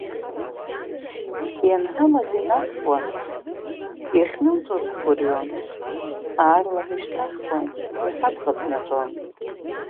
Ианҳамаз инаҳхуан, иахьнымҵәоз ҳгәырҩон, аарлаҳәа ишьҭаҳхуан, уи ҳабӷа ԥнаҵәон.